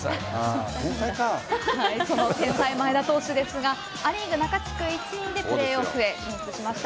天才・前田投手ですがア・リーグ中地区１位でプレーオフへ進出しました。